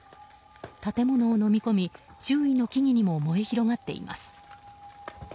建物をのみ込み、周囲の木々にも燃え広がっています。